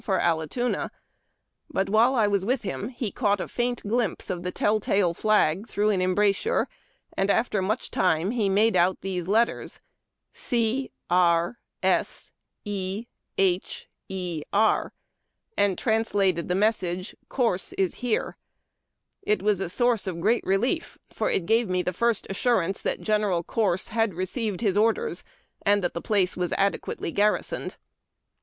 401 for Allatoona ; but while I was with him he caught a faint glimpse of the tell tale flag through an embrasure, and after much time he made out these letters 'C 'R" 'S" 'E' 'H" 'E* 'R' and translated the message ' Corse is here/ It was a source of great relief, for it gave me the first assurance that Gen eral Corse had received his orders, and that the place was adequately garrisoned."